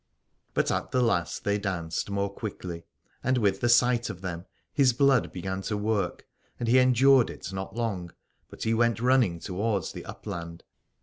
But at the last they danced more quickly, and with the sight of them his blood began to work : and he endured it not long, but he went running towards the upland.